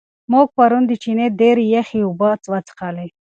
موږ پرون د چینې ډېرې یخې اوبه وڅښلې.